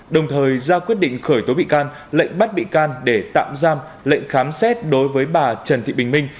đồng thời ra quyết định khởi tố bị can lệnh bắt bị can để tạm giam lệnh khám xét đối với bà trần thị bình minh